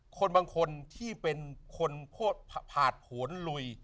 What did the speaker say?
คนบางคนที่เป็นคนผ่านผลลุย